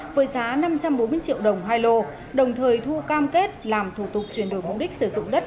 với giá năm trăm bốn mươi triệu đồng hai lô đồng thời thu cam kết làm thủ tục chuyển đổi mục đích sử dụng đất